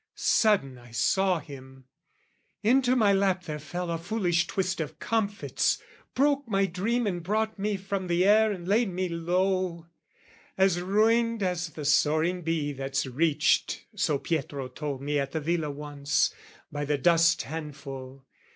Sudden I saw him; into my lap there fell A foolish twist of comfits, broke my dream And brought me from the air and laid me low, As ruined as the soaring bee that's reached (So Pietro told me at the Villa once) By the dust handful.